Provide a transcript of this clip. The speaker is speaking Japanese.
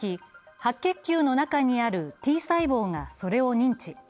白血球の中にあるＴ細胞がそれを認知。